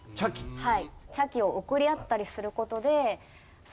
はい。